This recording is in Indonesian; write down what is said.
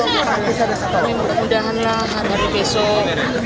jadi mudah mudahanlah hari besok